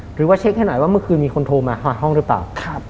หรือว่าเช็คให้หน่อยว่าเมื่อคืนมีคนโทรมาหาห้องหรือเปล่า